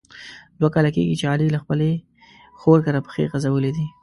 دوه کاله کېږي چې علي له خپلې خور کره پښې غزولي دي.